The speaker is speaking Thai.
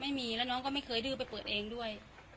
ไม่มีแล้วน้องก็ไม่เคยดื้อไปเปิดเองด้วย